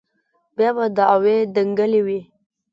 بيا به دعوې دنگلې وې.